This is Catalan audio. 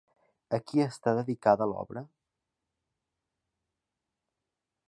A qui està dedicada l'obra?